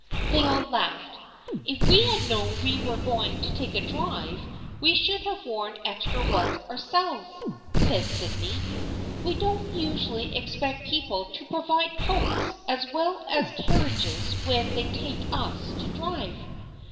They all laughed. " If we had known we were going to take a drive we should have worn extra ones ourselves," said Sydney. " We don't usually expect people to provide coats as well as carriages when they take us to drive."